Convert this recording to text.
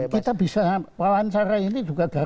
dan kita bisa melancarkan ini juga gara gara gusdur